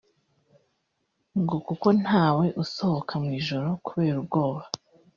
ngo kuko ntawe usohoka mu ijoro kubera ubwoba